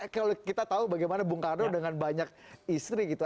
kalau kita tahu bagaimana bung karno dengan banyak istri gitu